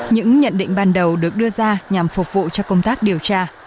những nhận định ban đầu được đưa ra nhằm phục vụ cho công tác điều tra